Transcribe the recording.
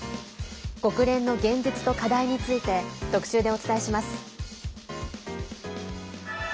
国連の現実と課題について特集でお伝えします。